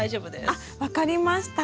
あっ分かりました。